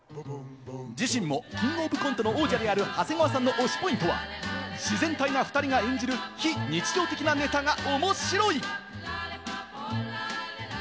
自身もキングオブコントの王者である長谷川さんの推しポイントは、自然体な２人が演じる非日常的なネタが面白い。